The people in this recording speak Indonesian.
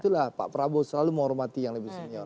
itulah pak prabowo selalu menghormati yang lebih senior